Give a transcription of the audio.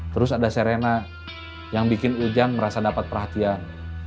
terus ada serena yang bikin ujang merasa dapat perhatian